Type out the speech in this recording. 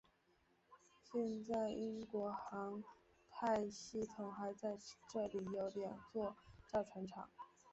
现在英国航太系统还在这里有两座造船厂。